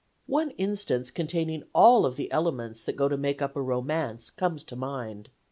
One instance containing all of the elements that go to make up a romance comes to mind.